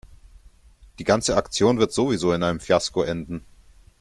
Die ganze Aktion wird sowieso in einem Fiasko enden.